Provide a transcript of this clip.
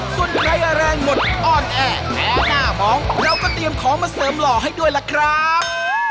เสริมหล่อให้ด้วยล่ะครับ